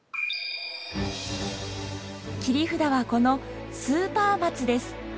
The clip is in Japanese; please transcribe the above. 切り札はこのスーパー松です。